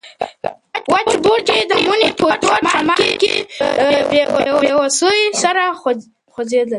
وچ بوټي د مني په تود شمال کې په بې وسۍ سره خوځېدل.